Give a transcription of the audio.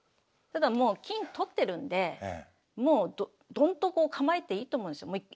ただもう金取ってるんでもうどんと構えていいと思うんですよね。